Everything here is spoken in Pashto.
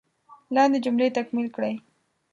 لاندې جملې تکمیل کړئ.